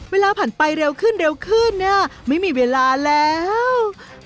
เวลาผ่านไปเร็วขึ้นไม่มีเวลาแล้ว